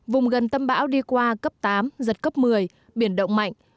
vùng gần tâm bão đi qua cấp tám giật cấp một mươi biển động mạnh